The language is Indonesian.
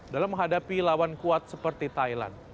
dalam menghadapi lawan kuat seperti thailand